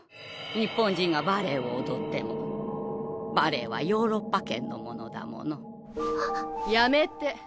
日本人がバレエを踊ってもバレエはヨーロッパ圏のものだものはっやめて。